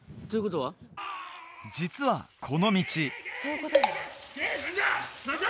実はこの道・何だ！？